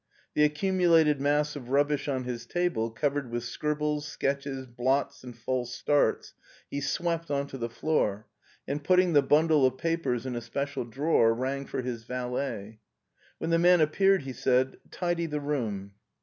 The accumu lated mass of rubbish on his table covered with scrib bles, sketches, blots, and false starts he swept on to the floor, and putting the bundle of papers in a special drawer, rang for his valet. When the man appeared, he said, " Tidy the room.